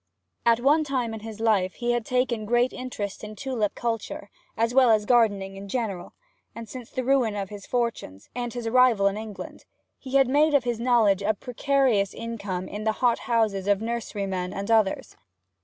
At one time of his life he had taken great interest in tulip culture, as well as gardening in general; and since the ruin of his fortunes, and his arrival in England, he had made of his knowledge a precarious income in the hot houses of nurserymen and others.